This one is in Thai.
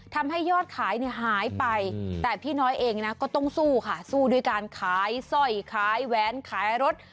ทำให้ยอดขายเนี่ยหายไปแต่พี่น้อยเองนะก็ต้องสู้ค่ะสู้ด้วยการขายสร้อยขายแหวนขายรถ